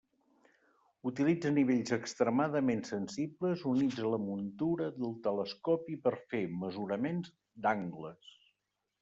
Utilitza nivells extremadament sensibles, units a la muntura del telescopi per fer mesuraments d'angles.